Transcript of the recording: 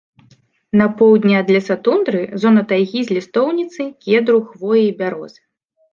На поўдні ад лесатундры зона тайгі з лістоўніцы, кедру, хвоі, бярозы.